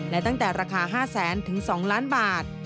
และตั้งแต่ราคา๕แสนถึง๒ล้านบาท